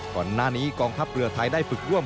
ก่อนหน้านี้กองทัพเรือไทยได้ฝึกร่วม